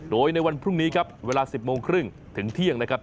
โดยในวันพรุ่งนี้ครับเวลา๑๐โมงครึ่งถึงเที่ยงนะครับ